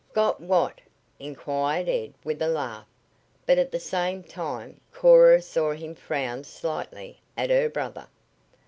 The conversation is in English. "Got what?" inquired Ed with a laugh, but at the same time Cora saw him frown slightly at her brother.